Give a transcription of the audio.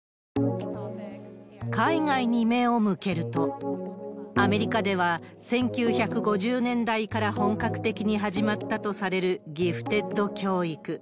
海外に目を向けると、アメリカでは１９５０年代から本格的に始まったとされるギフテッド教育。